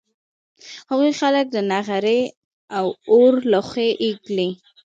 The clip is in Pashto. هغوی خلک د نغري په اور لوښي اېږدي